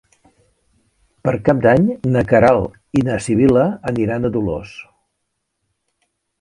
Per Cap d'Any na Queralt i na Sibil·la aniran a Dolors.